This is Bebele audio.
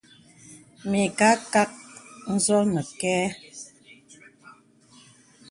Mə ìkâ kak ǹzɔ̄ nə kɛ̂.